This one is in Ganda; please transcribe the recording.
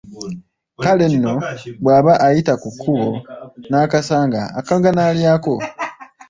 Kale nno bw’aba ayita ku kkubo n’akasanga, akanogako n’alya.